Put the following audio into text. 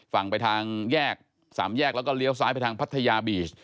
ฝั่งไปทางแยก๓แยกแล้วก็เลี้ยวซ้ายไปทางพัทยาบีช